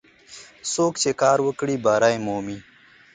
څوک چې کار وکړي، بری مومي.